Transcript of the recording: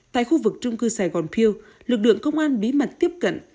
tại khu vực trung cư sài gòn peêu lực lượng công an bí mật tiếp cận